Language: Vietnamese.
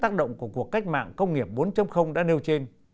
tác động của cuộc cách mạng công nghiệp bốn đã nêu trên